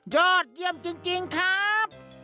ยอดเยี่ยมจริงครับ